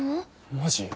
マジ？